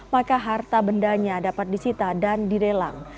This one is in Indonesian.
maka harta bendanya dapat disita dan dilelang